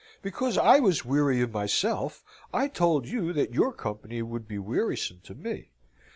Because I was weary of myself, I told you that your company would be wearisome to me.